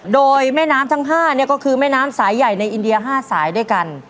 โดยแม่น้ำทั้ง๕เนี่ยก็คือแม่น้ำสายใหญ่ในอินเดีย๕สายด้วยกัน